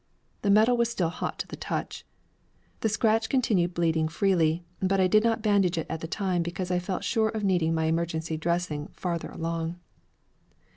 The metal was still hot to the touch. The scratch continued bleeding freely, but I did not bandage it at the time because I felt sure of needing my emergency dressing farther along.